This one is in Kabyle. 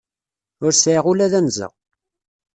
Ur sɛiɣ ula d anza.